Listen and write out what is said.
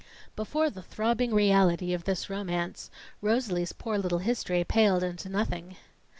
Before the throbbing reality of this romance, Rosalie's poor little history paled into nothing.